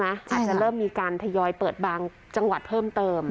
อาจจะเริ่มมีการทยอยเปิดบางจังหวัดเพิ่มเติม